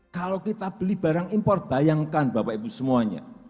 kalau kita beli barang impor bayangkan bapak ibu semuanya